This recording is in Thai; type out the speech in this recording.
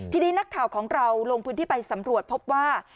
ทีนี้นักข่าวของเราลงพื้นที่ไปสำรวจพบว่า